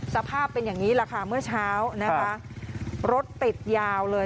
สภาพเป็นอย่างนี้แหละค่ะเมื่อเช้านะคะรถติดยาวเลย